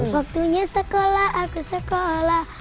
waktunya sekolah aku sekolah